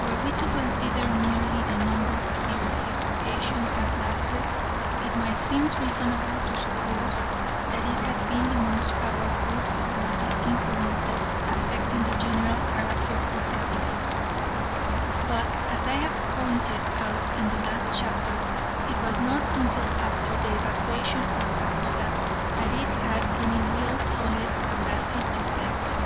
Were we to consider merely the number of years the occupation has lasted, it might seem reasonable to suppose that it has been the most powerful of all the influences affecting the general character of the people, but, as I have pointed out in the last chapter, it was not until after the evacuation of Fachoda that it had any really solid or lasting effect.